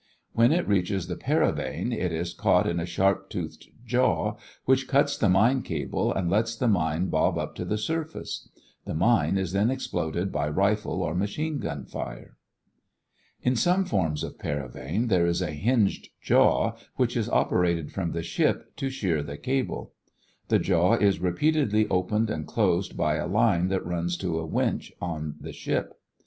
When it reaches the paravane it is caught in a sharp toothed jaw which cuts the mine cable and lets the mine bob up to the surface. The mine is then exploded by rifle or machine gun fire. [Illustration: Courtesy of "Scientific American" Hooking Up Enemy Anchored Mines] In some forms of paravane there is a hinged jaw which is operated from the ship to shear the cable. The jaw is repeatedly opened and closed by a line that runs to a winch on the ship.